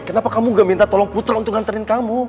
kenapa kamu gak minta tolong putra untuk nganterin kamu